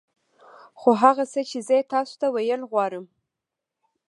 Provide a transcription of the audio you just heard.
خو هغه څه چې زه يې تاسو ته ويل غواړم.